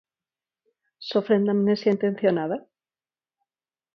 ¿Sofren de amnesia intencionada?